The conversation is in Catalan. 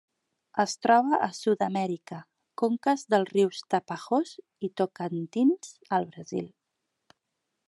Es troba a Sud-amèrica: conques dels rius Tapajós i Tocantins al Brasil.